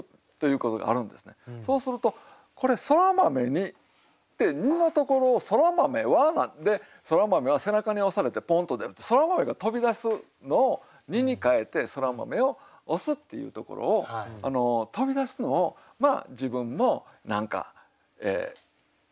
そうするとこれ「そら豆に」って「に」のところを「そら豆は」で「そら豆は背中に押されてポンと出る」ってそら豆が飛び出すのを「に」にかえてそら豆を押すっていうところを飛び出すのを自分も何かどうしようかな？